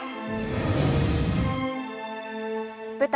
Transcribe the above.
舞台